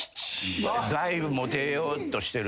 だいぶモテようとしてる。